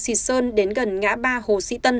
xịt sơn đến gần ngã ba hồ sĩ tân